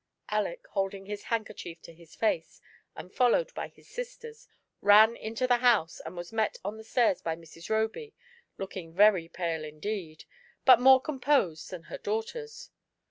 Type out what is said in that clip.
Aleck, holding his handkerchief to his face, and followed by his sisters, ran into the house, and was met on the stairs by Mrs. Roby, looking very pale, indeed, but more composed than her daughters.